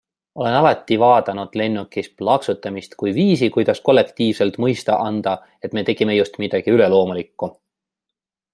Olen alati vaadanud lennukis plaksutamist kui viisi, kuidas kollektiivselt mõista anda, et me tegime just midagi üleloomulikku.